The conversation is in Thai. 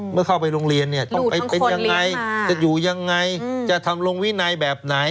เมื่อเข้าไปโรงเรียนเนี่ยต้องไปเป็นยังไงจะอยู่ยังไงจะทำลงวินัยแบบไหน